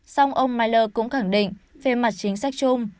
xong ông miller cũng khẳng định về mặt chính sách chung